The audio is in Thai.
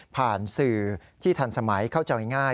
สื่อที่ทันสมัยเข้าใจง่าย